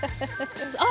あっ！